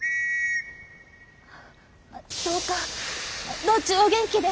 どうか道中お元気で。